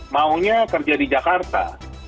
maunya kerja di jakarta